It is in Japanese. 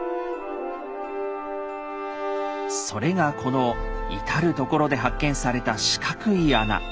それがこの至る所で発見された四角い穴。